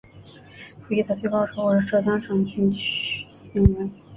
傅怡的最高职务是浙江省军区司令员。